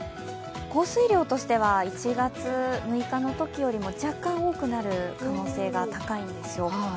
降水量としては１月６日のときよりも若干多くなる可能性が高いんですよ。